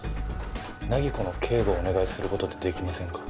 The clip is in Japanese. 凪子の警護をお願いする事ってできませんか？